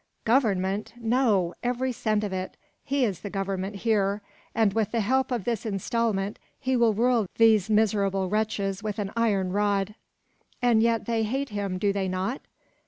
"Government! no, every cent of it. He is the Government here; and, with the help of this instalment, he will rule these miserable wretches with an iron rod." "And yet they hate him, do they not?"